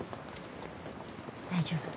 大丈夫？